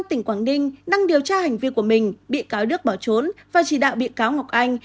tỉnh quảng ninh năng điều tra hành vi của mình bị cáo đức bỏ trốn và chỉ đạo bị cáo ngọc anh